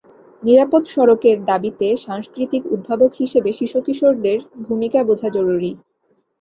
নিরাপদ সড়কের দাবিতে সাংস্কৃতিক উদ্ভাবক হিসেবে শিশু কিশোরদের ভূমিকা বোঝা জরুরি।